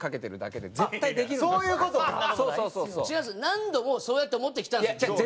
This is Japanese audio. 何度もそうやって思ってきたんですけど。